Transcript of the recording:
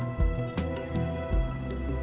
saya juga ingin mencoba